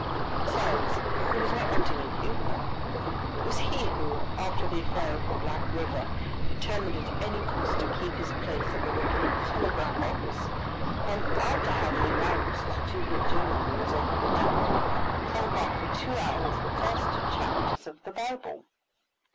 Besides, he was not wanting in humor. It was he who, after the affair of the Black River, determined at any cost to keep his place at the wicket of the telegraph office, and after having announced to his journal the result of the battle, telegraphed for two hours the first chapters of the Bible.